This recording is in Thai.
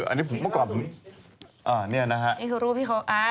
อันนี้ผมมาก่อนอ่านี่นะครับนี่คือรูปที่เขา